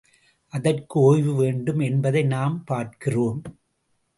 அதற்கு ஓய்வு வேண்டும் என்பதை நாம் பார்க்கிறோம்.